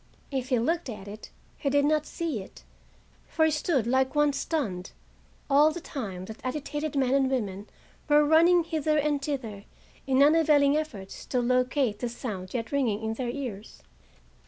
If he looked at it he did not see it, for he stood like one stunned all the time that agitated men and women were running hither and thither in unavailing efforts to locate the sound yet ringing in their ears.